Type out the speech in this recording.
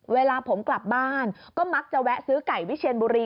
เวลาผมกลับบ้านก็มักจะแวะซื้อไก่วิเชียนบุรี